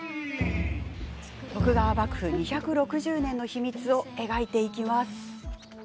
徳川幕府２６０年の秘密を描いていきます。